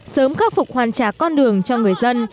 sớm khắc phục hoàn trả con đường cho người dân